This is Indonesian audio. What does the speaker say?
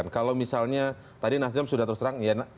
kalau misalnya tadi nasjid hamz sudah terus terang